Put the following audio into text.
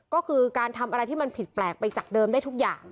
ก็คือการทำอะไรที่มันผิดแปลกไปจากเดิมได้ทุกอย่าง